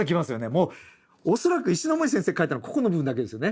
もう恐らく石森先生描いたのここの部分だけですよね。